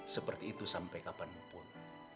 seperti itu sampai kapanpun